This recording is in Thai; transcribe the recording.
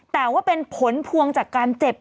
แต่ว่าเป็นผลพวงจากการเจ็บ